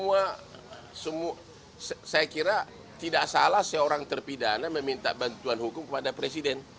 saya kira semua saya kira tidak salah seorang terpidana meminta bantuan hukum kepada presiden